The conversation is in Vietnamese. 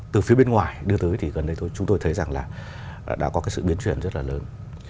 từ phía bên ngoài đưa tới thì gần đây chúng tôi thấy rằng là đã có cái sự biến chuyển rất là lớn